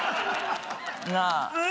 なあ